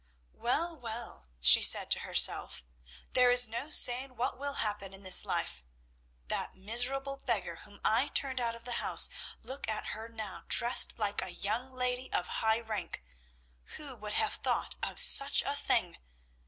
"Well, well," she said to herself, "there is no saying what will happen in this life. That miserable beggar whom I turned out of my house look at her now, dressed like a young lady of high rank. Who would have thought of such a thing!